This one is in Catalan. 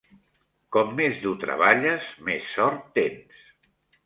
Com més dur treballes, més sort tens.